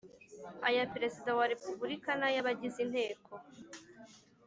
aya Perezida wa Repubulika n ay abagize inteko